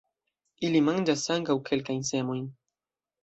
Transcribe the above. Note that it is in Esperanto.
Ili manĝas ankaŭ kelkajn semojn.